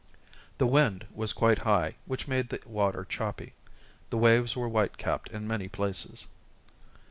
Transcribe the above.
The wind was quite high, which made the water choppy. The waves were white capped in many places.